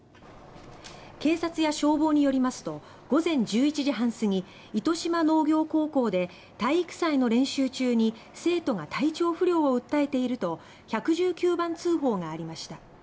警察や消防によりますと午前１１時半すぎ糸島農業高校で「体育祭の練習中に生徒が体調不良を訴えている」と１１９番通報がありました。